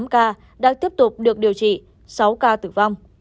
một trăm linh tám ca đã tiếp tục được điều trị sáu ca tử vong